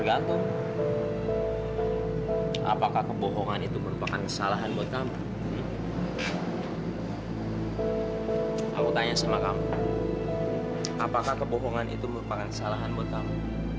apakah kebohongan itu merupakan kesalahan buat kamu